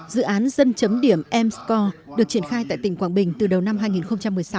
dự án dân chấm điểm m score được triển khai tại tỉnh quảng bình từ đầu năm hai nghìn một mươi sáu